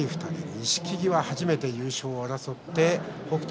錦木は初めて優勝を争って北勝